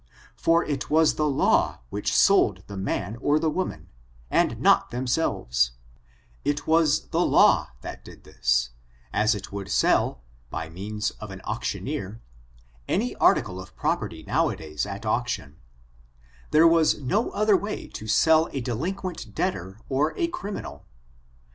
For it was the law which sold the man or the woman, and not them selves; it was the law that did this, as it would sell, by the means of an auctioneer, any article of property \ now a days at auction ; there was no other way to sell a delinquent debtor or a criminal.